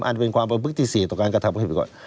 อันเป็นความประพฤติสี่ต่อการกระทับภาพภิกษ์